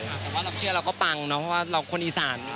แต่ว่าเราเชื่อเราก็ปังเนาะเพราะว่าเราคนอีสาน